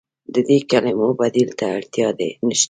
د دې کلمو بدیل ته اړتیا نشته.